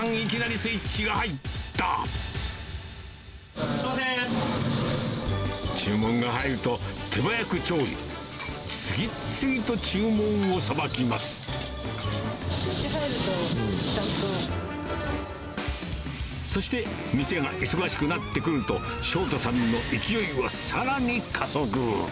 スイッチ入ると、ちゃんとやそして、店が忙しくなってくると、翔太さんの勢いはさらに加速。